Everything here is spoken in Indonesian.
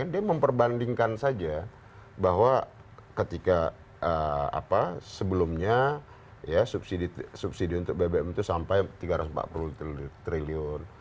dia memperbandingkan saja bahwa ketika sebelumnya subsidi untuk bbm itu sampai tiga ratus empat puluh triliun